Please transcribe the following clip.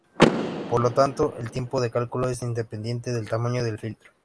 Por lo tanto, el tiempo de cálculo es independiente del tamaño del filtro.